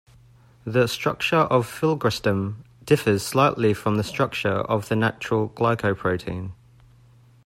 The structure of filgrastim differs slightly from the structure of the natural glycoprotein.